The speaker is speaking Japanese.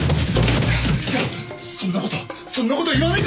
いやそんなことそんなこと言わないで。